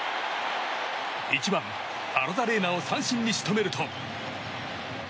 １番、アロザレーナを三振に仕留めると。